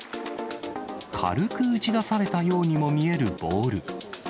軽く打ち出されたようにも見えるボール。